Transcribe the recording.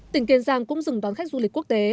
tỉnh kiên giang cũng dừng đón khách du lịch quốc tế